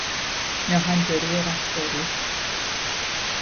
ناهنجاری رفتاری